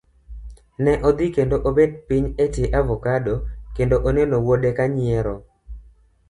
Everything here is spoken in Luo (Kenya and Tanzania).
Ne odhi kendo obet piny etie avacado kendo oneno wuode ka nyiero.